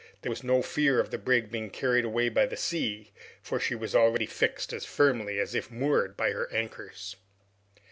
There was no fear of the brig being carried away by the sea, for she was already fixed as firmly as if moored by her anchors.